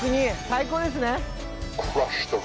最高ですね！